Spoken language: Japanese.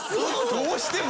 どうしても？